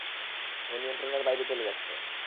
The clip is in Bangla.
ও নিয়ন্ত্রণের বাইরে চলে যাচ্ছে।